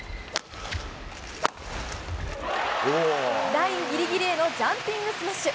ラインぎりぎりへのジャンピングスマッシュ。